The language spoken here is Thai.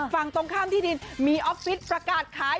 ฝั่งตรงข้ามที่ดินมีออฟฟิศประกาศขาย